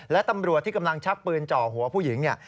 และตำรวจที่กำลังชักปืนจ่อหัวผู้หญิงเนี่ย